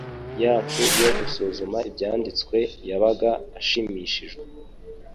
yacu yo gusuzuma Ibyanditswe yabaga ashimishije.